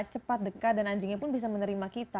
cepat dekat dan anjingnya pun bisa menerima kita